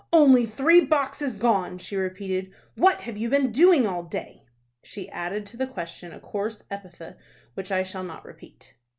"Only three boxes gone?" she repeated. "What have you been doing all day?" She added to the question a coarse epithet which I shall not repeat.